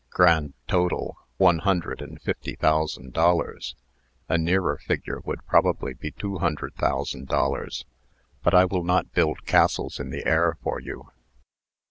Grand total, one hundred and fifty thousand dollars. A nearer figure would probably be two hundred thousand dollars; but I will not build castles in the air for you.